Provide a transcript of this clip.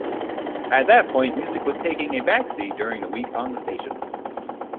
At that point music was taking a backseat during the week on the station.